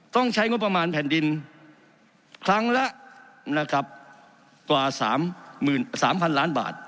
ต้องใช้งวดประมาณแผ่นดินครั้งละกว่า๓พันล้านบาท